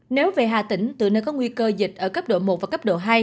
nếu về hà tĩnh từ nơi có nguy cơ dịch ở cấp độ một và cấp độ hai